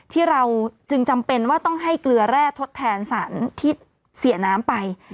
ที่เราจึงจำเป็นว่าต้องให้เกลือแร่ทดแทนสารที่เสียน้ำไป